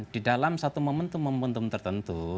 di dalam satu momentum momentum tertentu